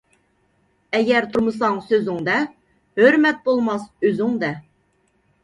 ئەگەر تۇرمىساڭ سۆزۈڭدە، ھۆرمەت بولماس ئۆزۈڭدە.